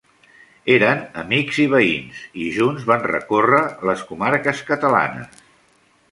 Eren amics i veïns, i junts van recórrer les comarques catalanes.